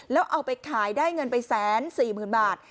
แล้วเอาไปขายได้เงินไป๑๔๐๐๐บาท